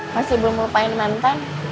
masih belum lupain mantan